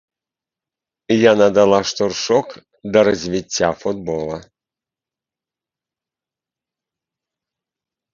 Яна дала штуршок да развіцця футбола.